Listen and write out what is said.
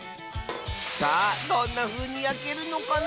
さあどんなふうにやけるのかな？